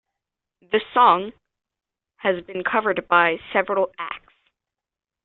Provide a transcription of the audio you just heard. The song has been covered by several acts.